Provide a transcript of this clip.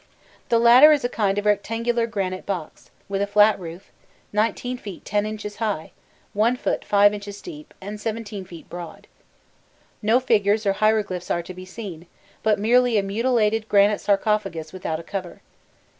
The latter is a kind of rectangular granite box, with a flat roof, 19 feet 10 inches high, 1 foot 5 inches deep, and 17 feet broad. No figures or hieroglyphs are to be seen, but merely a mutilated granite sarcophagus without a cover.